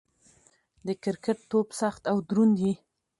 د کرکټ توپ سخت او دروند يي.